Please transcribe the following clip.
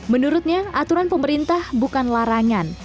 menurutnya aturan pemerintah bukan larangan